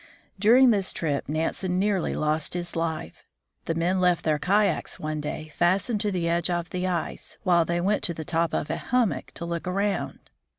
During this trip Nansen nearly lost his life. The men left their kayaks one day fastened to the edge of the ice, while they went to the top of a hummock to look around.